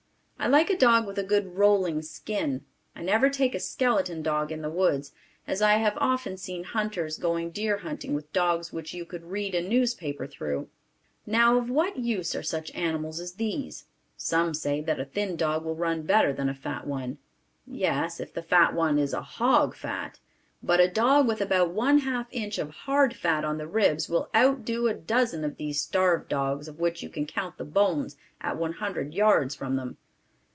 I like a dog with a good rolling skin. I never take a skeleton dog in the woods as I have often seen hunters going deer hunting with dogs which you could read a newspaper through. Now of what use are such animals as these? Some say that a thin dog will run better than a fat one. Yes, if the fat one is hog fat; but a dog with about one half inch of hard fat on the ribs will out do a dozen of these starved dogs of which you can count the bones at one hundred yards from them.